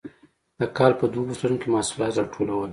د کال په دوو فصلونو کې محصولات راټولول.